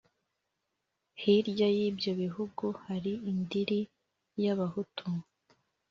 hirya y’ibyo bihugu hari indiri y’abahutu!